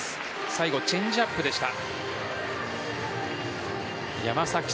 最後、チェンジアップでした。